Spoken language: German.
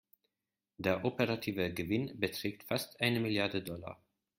Der operative Gewinn beträgt fast eine Milliarde Dollar.